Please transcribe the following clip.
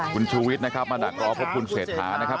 คุณชูวิสมาดักรอบเพราะคุณเศรษฐานะครับ